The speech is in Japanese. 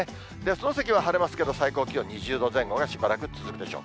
その先は晴れますけれども、最高気温２０度前後がしばらく続くでしょう。